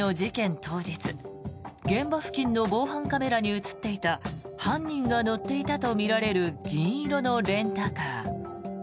当日現場付近の防犯カメラに映っていた犯人が乗っていたとみられる銀色のレンタカー。